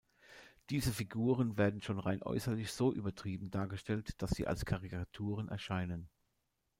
Diese Figuren werden schon rein äußerlich so übertrieben dargestellt, dass sie als Karikaturen erscheinen.